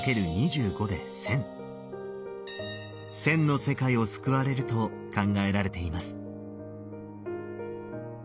１，０００の世界を救われると考えられています。